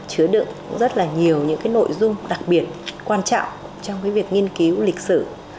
chứa đựng rất là nhiều những nội dung đặc biệt quan trọng trong việc nghiên cứu lịch sử